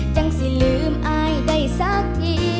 จังสิลืมอายได้สักที